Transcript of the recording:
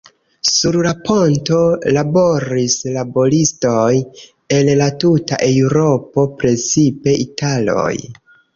Sur la ponto laboris laboristoj el la tuta Eŭropo, precipe italoj.